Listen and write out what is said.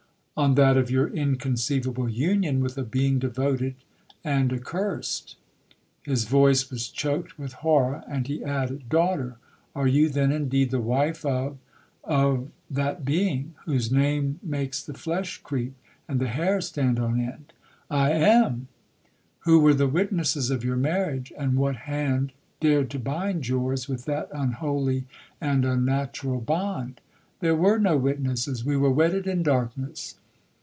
'—'On that of your inconceivable union with a being devoted and accursed.' His voice was choaked with horror, and he added, 'Daughter, are you then indeed the wife of—of—that being, whose name makes the flesh creep, and the hair stand on end?'—'I am.'—'Who were the witnesses of your marriage, and what hand dared to bind yours with that unholy and unnatural bond?'—'There were no witnesses—we were wedded in darkness.